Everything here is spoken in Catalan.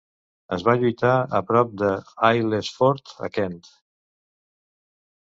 Es va lluitar a prop de Aylesford a Kent.